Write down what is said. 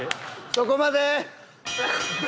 そこまで！